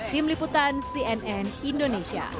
tim liputan cnn indonesia